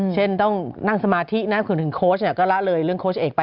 เช่นต้องนั่งสมาธินะคุณถึงโค้ชก็ละเลยเรื่องโค้ชเอกไป